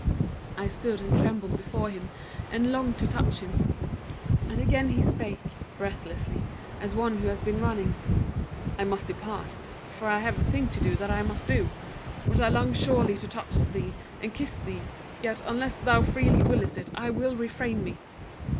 "I stood and trembled before him, and longed to touch him. And again he spake, breathlessly, as one who has been running: 'I must depart, for I have a thing to do that I must do; but I long sorely to touch thee, and kiss thee; yet unless thou freely willest it, I will refrain me.'